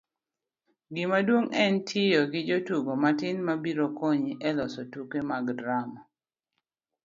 gimaduong' en tiyo gi jotugo matin mabiro konyi e loso tuke mag drama